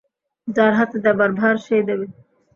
যার হাতে দেবার ভার সেই দেবে।